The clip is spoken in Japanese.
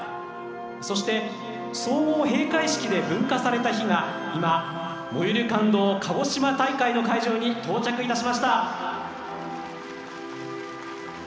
そして、総合閉会式で分火された火が今「燃ゆる感動かごしま島大会」の会場に到着いたしました。